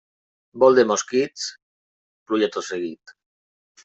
Vol de mosquits, pluja tot seguit.